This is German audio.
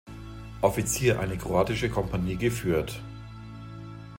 Offizier eine kroatische Kompanie geführt.